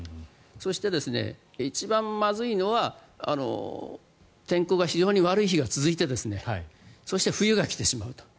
そして、一番まずいのは天候が非常に悪い日が続いてそして冬が来てしまうと。